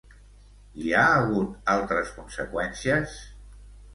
Hi ha hagut altres conseqüències?